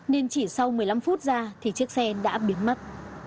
nên chỉ sau một mươi năm phút ra thì chiếc xe đã biến mất